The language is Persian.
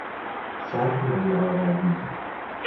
شرح من درآوردی